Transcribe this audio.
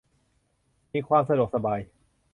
มีความสะดวกสบาย